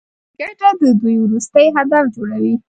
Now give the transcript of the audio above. ګټه د دوی وروستی هدف جوړوي